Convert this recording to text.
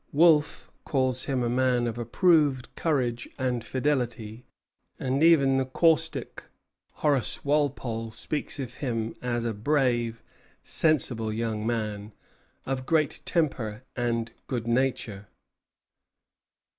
Wolfe calls him "a man of approved courage and fidelity;" and even the caustic Horace Walpole speaks of him as "a brave, sensible young man, of great temper and good nature."